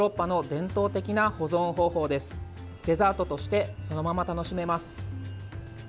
デザートとしてそのまま楽しめます。